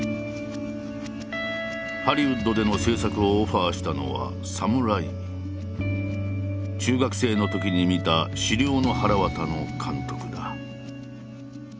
ハリウッドでの製作をオファーしたのは中学生のときに見た「死霊のはらわた」の監督だ。